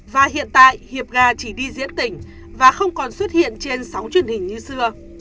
và hiện tại hiệp gà chỉ đi diễn tỉnh và không còn xuất hiện trên sóng truyền hình như xưa